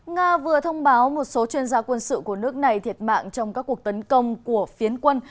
nga vừa thông báo một số chuyên gia quân sự của nước này thiệt mạng trong các cuộc tấn công của phiến quân